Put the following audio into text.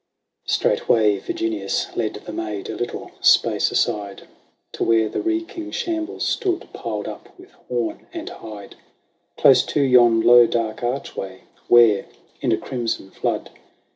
Straightway Yirginius led the maid a little space aside, To where the reeking shambles stood, piled up with horn and hide, Close to yon low dark archway, where, in a crimson flood.